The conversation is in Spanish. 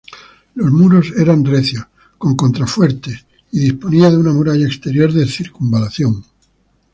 Los muros eran recios, con contrafuertes, y disponía de una muralla exterior de circunvalación.